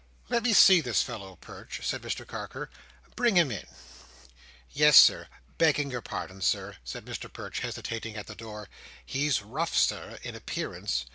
"Let me see this fellow, Perch," said Mr Carker. "Bring him in!" "Yes, Sir. Begging your pardon, Sir," said Mr Perch, hesitating at the door, "he's rough, Sir, in appearance."